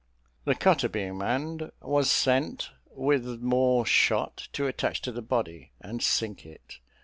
The cutter, being manned, was sent with more shot to attach to the body, and sink it.